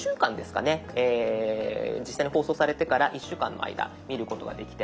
実際に放送されてから１週間の間見ることができて。